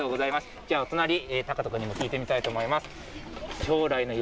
じゃあ、お隣、天斗君に聞いてみたいと思います。